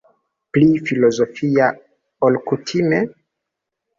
Pli filozofia ol kutime?